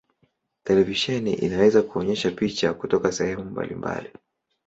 Televisheni inaweza kuonyesha picha kutoka sehemu mbalimbali.